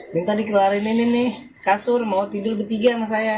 minta dikelarin ini nih kasur mau tidur bertiga sama saya